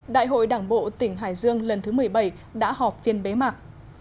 đại hội đảng bộ tỉnh hải dương lần thứ một mươi bảy đã họp phiên bế mạc